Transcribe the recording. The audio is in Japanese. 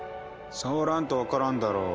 触らんと分からんだろう。